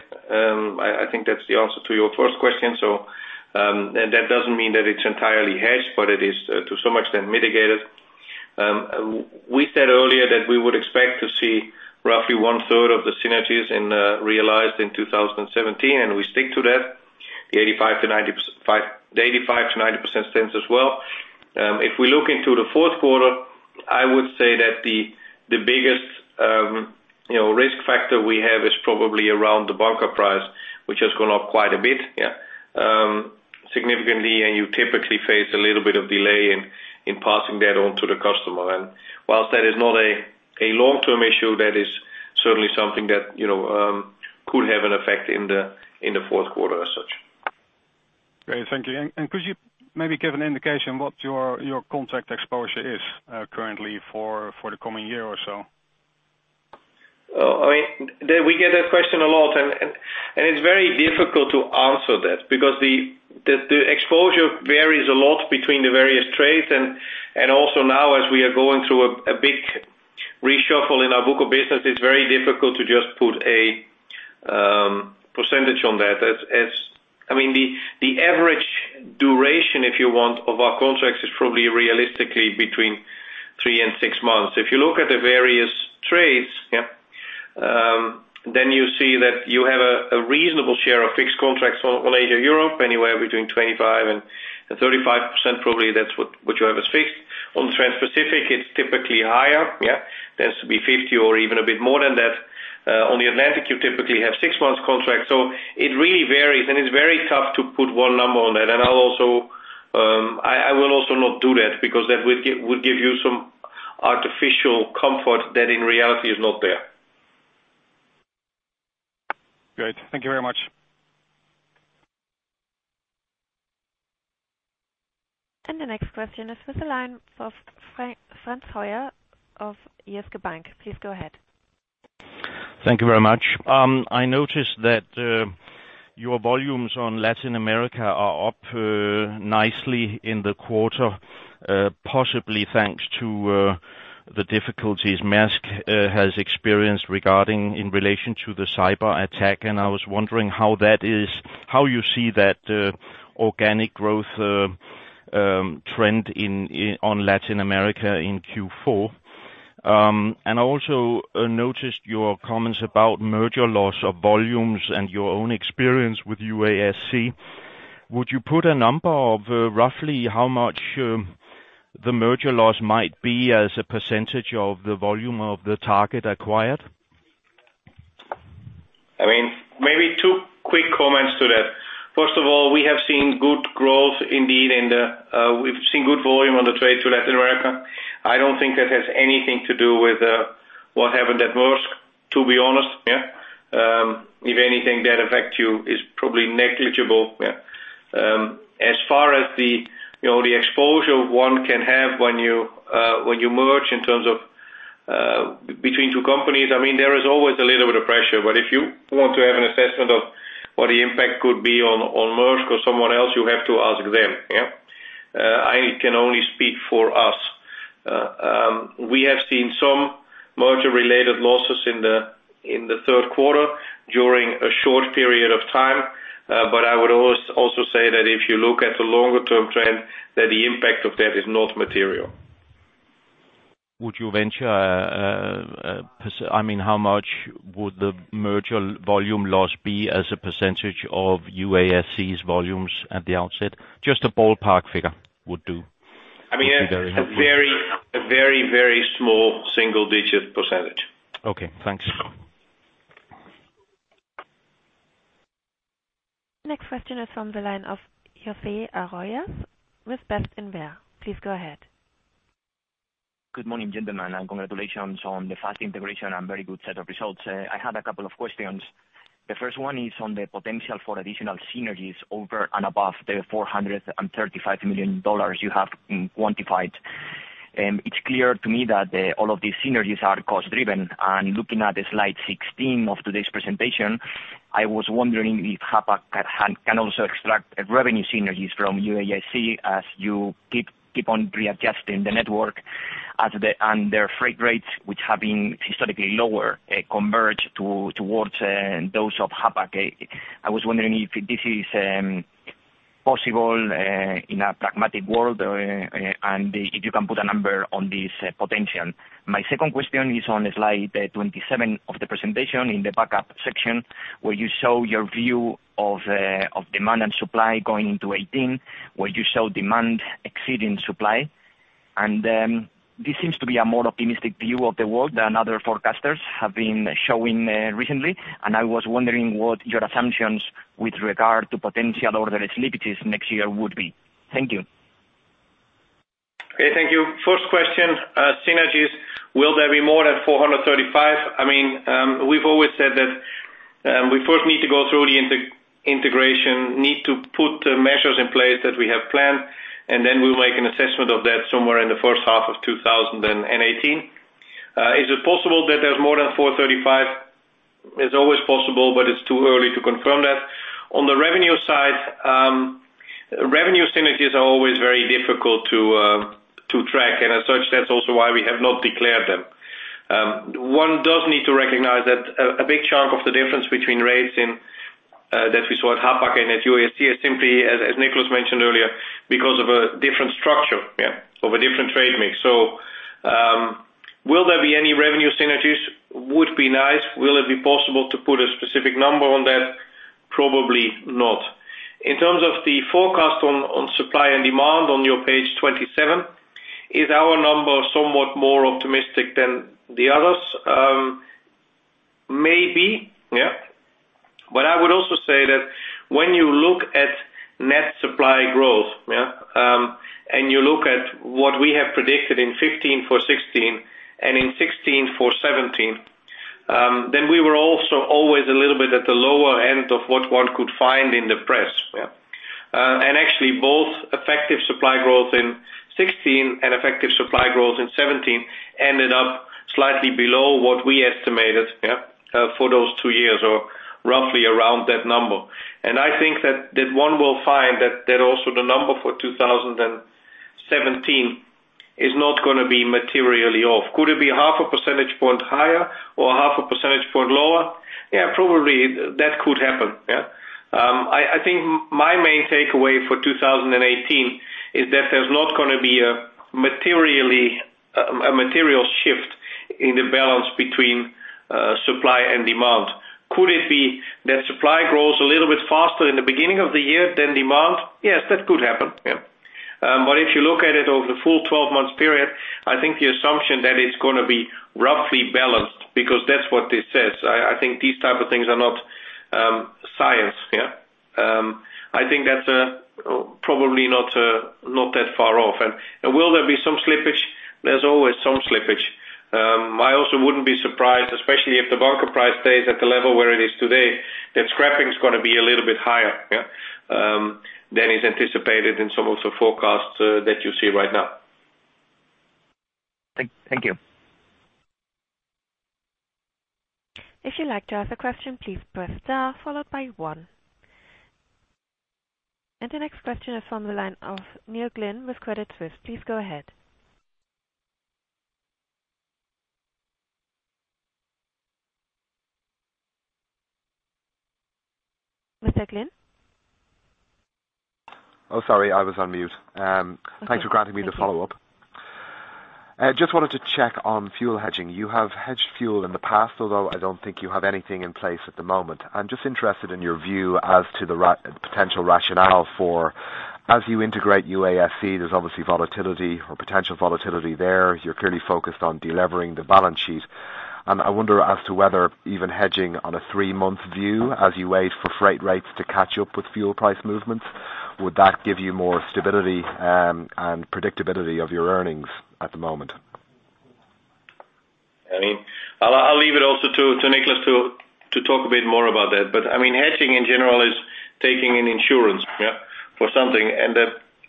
I think that's the answer to your first question. That doesn't mean that it's entirely hedged, but it is to some extent mitigated. We said earlier that we would expect to see roughly one third of the synergies realized in 2017, and we stick to that. The 85%-90% stands as well. If we look into the fourth quarter, I would say that the biggest, you know, risk factor we have is probably around the bunker price, which has gone up quite a bit, yeah, significantly, and you typically face a little bit of delay in passing that on to the customer. Whilst that is not a long-term issue, that is certainly something that, you know, could have an effect in the fourth quarter as such. Great, thank you. Could you maybe give an indication what your contract exposure is, currently for the coming year or so? I mean, we get that question a lot and it's very difficult to answer that because the exposure varies a lot between the various trades and also now as we are going through a big reshuffle in our book of business, it's very difficult to just put a percentage on that. I mean, the average duration, if you want, of our contracts is probably realistically between 3 months and 6 months. If you look at the various trades, then you see that you have a reasonable share of fixed contracts on Asia-Europe, anywhere between 25% and 35%, probably that's what you have as fixed. On Transpacific, it's typically higher. Tends to be 50% or even a bit more than that. On the Atlantic, you typically have 6 months contract. It really varies, and it's very tough to put one number on that. I'll also not do that because that would give you some artificial comfort that in reality is not there. Great. Thank you very much. The next question is with the line of Frans Højer of Jyske Bank. Please go ahead. Thank you very much. I noticed that your volumes on Latin America are up nicely in the quarter, possibly thanks to the difficulties Maersk has experienced regarding in relation to the cyberattack, and I was wondering how that is, how you see that organic growth trend on Latin America in Q4. I also noticed your comments about merger loss of volumes and your own experience with UASC. Would you put a number on roughly how much the merger loss might be as a percentage of the volume of the target acquired? I mean, maybe two quick comments to that. First of all, we have seen good volume on the trade to Latin America. I don't think that has anything to do with what happened at Maersk, to be honest. If anything, that effect is probably negligible. As far as the, you know, the exposure one can have when you merge in terms of between two companies, I mean, there is always a little bit of pressure. If you want to have an assessment of what the impact could be on Maersk or someone else, you have to ask them. I can only speak for us. We have seen some merger related losses in the third quarter during a short period of time. I would also say that if you look at the longer term trend, that the impact of that is not material. Would you venture I mean, how much would the merger volume loss be as a percentage of UASC's volumes at the outset? Just a ballpark figure would do. I mean, a very, very small single-digit percentage. Okay, thanks. Next question is from the line of José Arrobas with Bestinver. Please go ahead. Good morning, gentlemen, and congratulations on the fast integration and very good set of results. I have a couple of questions. The first one is on the potential for additional synergies over and above the $435 million you have quantified. It's clear to me that all of these synergies are cost driven, and looking at the slide 16 of today's presentation, I was wondering if Hapag can also extract revenue synergies from UASC as you keep on readjusting the network. Their freight rates, which have been historically lower, converge towards those of Hapag. I was wondering if this is possible in a pragmatic world, and if you can put a number on this potential. My second question is on slide 27 of the presentation in the backup section, where you show your view of demand and supply going into 2018, where you show demand exceeding supply. This seems to be a more optimistic view of the world than other forecasters have been showing recently. I was wondering what your assumptions with regard to potential order slippages next year would be. Thank you. Okay, thank you. First question, synergies, will there be more than $435 million? I mean, we've always said that we first need to go through the integration, need to put measures in place that we have planned, and then we'll make an assessment of that somewhere in the first half of 2018. Is it possible that there's more than $435 million? It's always possible, but it's too early to confirm that. On the revenue side, revenue synergies are always very difficult to track, and as such, that's also why we have not declared them. One does need to recognize that a big chunk of the difference between rates in that we saw at Hapag and at UASC is simply, as Nicolás mentioned earlier, because of a different structure of a different trade mix. Will there be any revenue synergies? Would be nice. Will it be possible to put a specific number on that? Probably not. In terms of the forecast on supply and demand on your page 27, is our number somewhat more optimistic than the others? Maybe, yeah. I would also say that when you look at net supply growth, yeah, and you look at what we have predicted in 2015 for 2016 and in 2016 for 2017, then we were also always a little bit at the lower end of what one could find in the press, yeah. Actually both effective supply growth in 2016 and effective supply growth in 2017 ended up slightly below what we estimated, yeah, for those two years, or roughly around that number. I think that one will find that also the number for 2017 is not gonna be materially off. Could it be 0.5 percentage points higher or 0.5 percentage points lower? Yeah, probably that could happen, yeah. I think my main takeaway for 2018 is that there's not gonna be a material shift in the balance between supply and demand. Could it be that supply grows a little bit faster in the beginning of the year than demand? Yes. That could happen. Yeah. If you look at it over the full 12 months period, I think the assumption that it's gonna be roughly balanced, because that's what this says. I think this type of things are not science. Yeah. I think that's probably not that far off. Will there be some slippage? There's always some slippage. I also wouldn't be surprised, especially if the bunker price stays at the level where it is today, that scrapping is gonna be a little bit higher than is anticipated in some of the forecasts that you see right now. Thank you. The next question is from the line of Neil Glynn with Credit Suisse. Please go ahead. Mr. Glynn? Oh, sorry, I was on mute. Thanks for granting me the follow-up. I just wanted to check on fuel hedging. You have hedged fuel in the past, although I don't think you have anything in place at the moment. I'm just interested in your view as to the potential rationale for as you integrate UASC, there's obviously volatility or potential volatility there. You're clearly focused on delevering the balance sheet. I wonder as to whether even hedging on a three-month view as you wait for freight rates to catch up with fuel price movements, would that give you more stability, and predictability of your earnings at the moment? I mean, I'll leave it also to Nicolás to talk a bit more about that. I mean, hedging in general is taking an insurance, yeah, for something.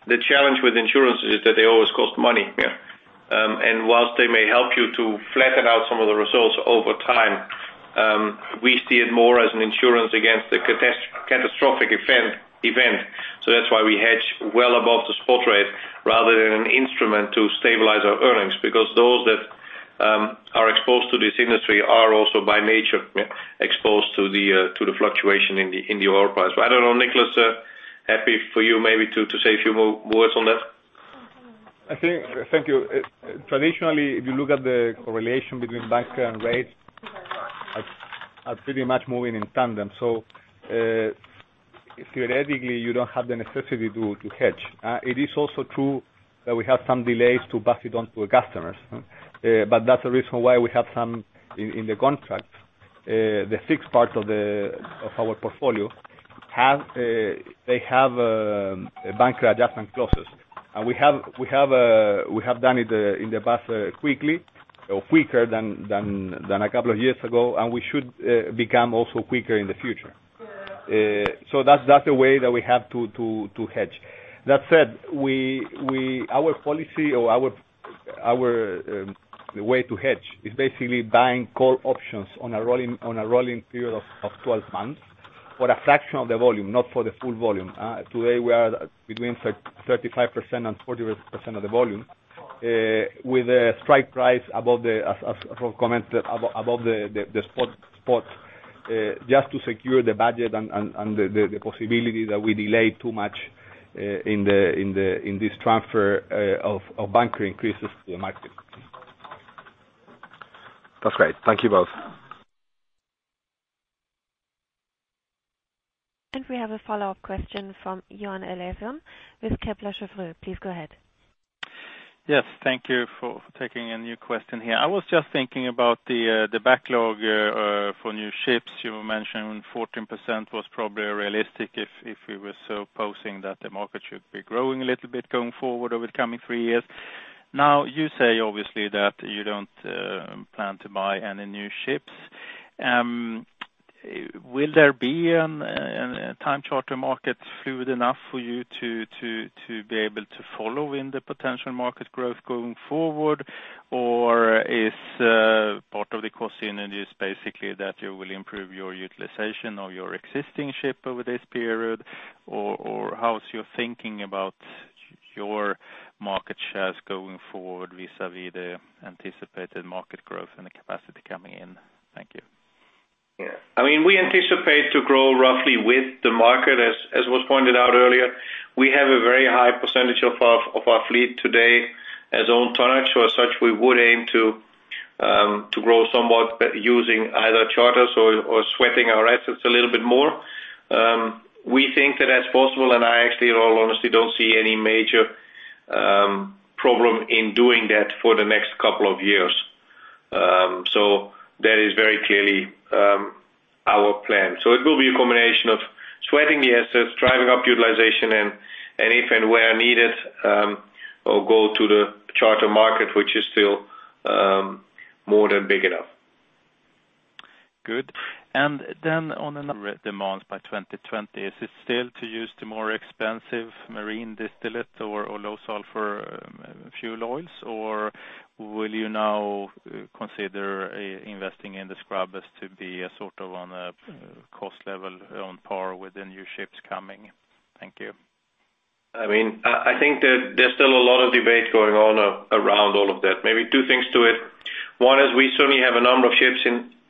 The challenge with insurance is that they always cost money. Yeah. While they may help you to flatten out some of the results over time, we see it more as an insurance against the catastrophic event. That's why we hedge well above the spot rate rather than an instrument to stabilize our earnings. Those that are exposed to this industry are also by nature exposed to the fluctuation in the oil price. I don't know, Nicolás, happy for you maybe to say a few more words on that. I think. Thank you. Traditionally, if you look at the correlation between bunker and rates, are pretty much moving in tandem. Theoretically, you don't have the necessity to hedge. It is also true that we have some delays to pass it on to our customers. That's the reason why we have some in the contract. The fixed part of our portfolio have they have a bunker adjustment clauses. We have done it in the past quickly or quicker than a couple of years ago, and we should become also quicker in the future. That's the way that we have to hedge. That said, we—our policy or our way to hedge is basically buying call options on a rolling period of 12 months for a fraction of the volume, not for the full volume. Today, we are between 35%-48% of the volume with a strike price above the, as Rolf Habben Jansen commented, above the spot just to secure the budget and the possibility that we delay too much in this transfer of bunker increases to the market. That's great. Thank you both. We have a follow-up question from Johan Eliason with Kepler Cheuvreux. Please go ahead. Yes. Thank you for taking a new question here. I was just thinking about the backlog for new ships. You mentioned 14% was probably realistic if we were supposing that the market should be growing a little bit going forward over the coming three years. Now, you say obviously that you don't plan to buy any new ships. Will there be a time charter market fluid enough for you to be able to follow in the potential market growth going forward? Or is part of the cost synergies basically that you will improve your utilization of your existing ship over this period? Or how is your thinking about your market shares going forward vis-à-vis the anticipated market growth and the capacity coming in? Thank you. Yeah. I mean, we anticipate to grow roughly with the market. As was pointed out earlier, we have a very high percentage of our fleet today as owned tonnage. As such, we would aim to grow somewhat by using either charters or sweating our assets a little bit more. We think that that's possible, and I actually, in all honesty, don't see any major problem in doing that for the next couple of years. That is very clearly our plan. It will be a combination of sweating the assets, driving up utilization, and if and where needed, we'll go to the charter market, which is still more than big enough. Good. On the demand side by 2020. Is it still to use the more expensive marine distillate or low sulfur fuel oils, or will you now consider investing in the scrubbers to be sort of on a cost level on par with the new ships coming? Thank you. I mean, I think that there's still a lot of debate going on around all of that. Maybe two things to it. One is we certainly have a number of ships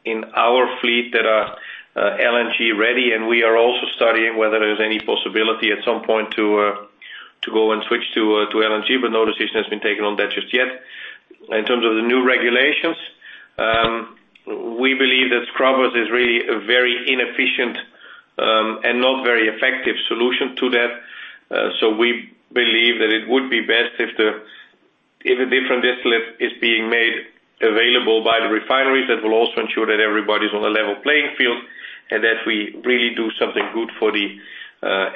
in our fleet that are LNG ready, and we are also studying whether there's any possibility at some point to go and switch to LNG, but no decision has been taken on that just yet. In terms of the new regulations, we believe that scrubbers is really a very inefficient and not very effective solution to that. We believe that it would be best if a different distillate is being made available by the refineries. That will also ensure that everybody's on a level playing field, and that we really do something good for the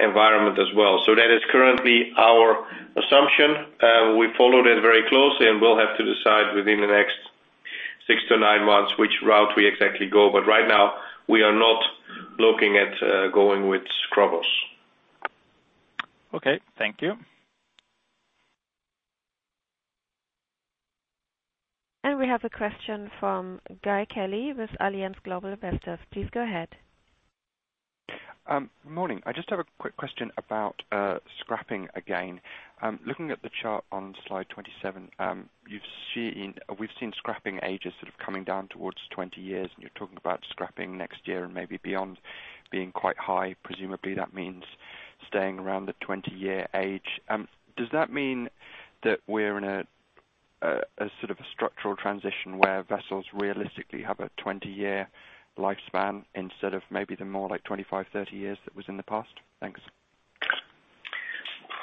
environment as well. That is currently our assumption. We follow that very closely, and we'll have to decide within the next 6 months-9 months which route we exactly go. Right now, we are not looking at going with scrubbers. Okay, thank you. We have a question from Guy Kelly with Allianz Global Investors. Please go ahead. Morning. I just have a quick question about scrapping again. Looking at the chart on slide 27, we've seen scrapping ages sort of coming down towards 20 years, and you're talking about scrapping next year and maybe beyond being quite high. Presumably, that means staying around the 20-year age. Does that mean that we're in a sort of a structural transition where vessels realistically have a 20-year lifespan instead of maybe the more like 25 years, 30 years that was in the past? Thanks.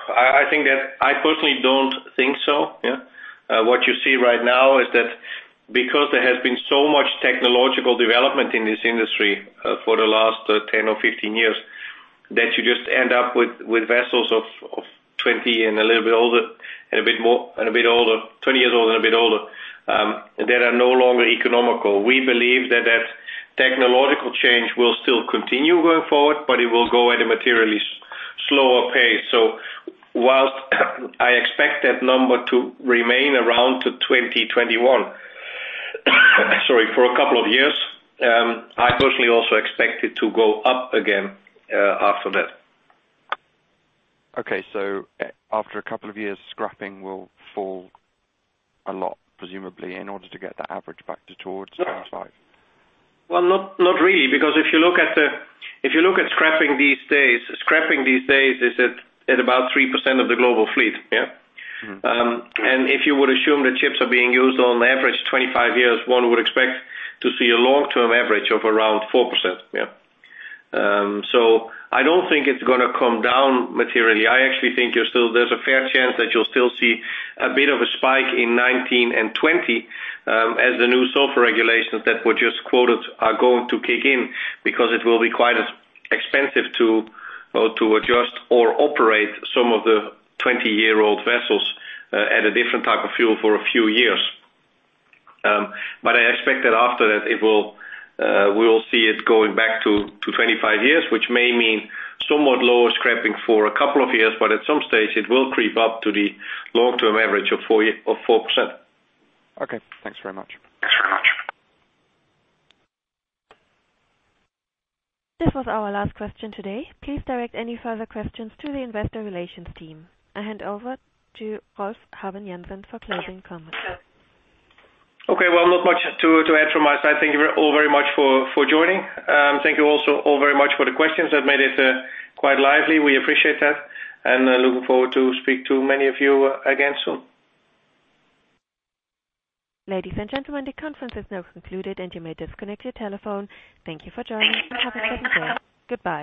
I think that I personally don't think so. Yeah. What you see right now is that because there has been so much technological development in this industry for the last 10 or 15 years, that you just end up with vessels of 20 years old and a bit older that are no longer economical. We believe that technological change will still continue going forward, but it will go at a materially slower pace. While I expect that number to remain around to 2021 for a couple of years, I personally also expect it to go up again after that. Okay. After a couple of years, scrapping will fall a lot, presumably, in order to get that average back to towards 25 years. Well, not really, because if you look at scrapping these days, scrapping these days is at about 3% of the global fleet. Yeah? Mm-hmm. If you would assume that ships are being used on average 25 years, one would expect to see a long-term average of around 4%. I don't think it's gonna come down materially. There's a fair chance that you'll still see a bit of a spike in 2019 and 2020, as the new sulfur regulations that were just quoted are going to kick in because it will be quite expensive to adjust or operate some of the 20-year-old vessels at a different type of fuel for a few years. I expect that after that, we will see it going back to 25 years, which may mean somewhat lower scrapping for a couple of years, but at some stage, it will creep up to the long-term average of 4%. Okay. Thanks very much. Thanks very much. This was our last question today. Please direct any further questions to the investor relations team. I hand over to Rolf Habben Jansen for closing comments. Okay, well, not much to add from my side. Thank you all very much for joining. Thank you also all very much for the questions. That made it quite lively. We appreciate that, and looking forward to speak to many of you again soon. Ladies and gentlemen, the conference is now concluded, and you may disconnect your telephone. Thank you for joining. Have a pleasant day. Goodbye.